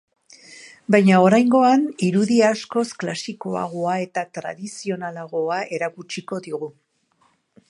Baina, oraingoan irudi askoz klasikoagoa eta tradizionalagoa erakutsiko digu.